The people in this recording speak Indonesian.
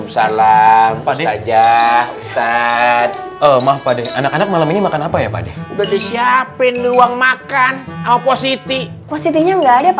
sampai jumpa di video selanjutnya